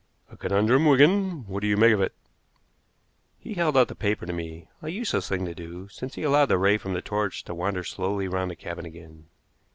"A conundrum, Wigan. What do you make of it?" He held out the paper to me, a useless thing to do, since he allowed the ray from the torch to wander slowly round the cabin again.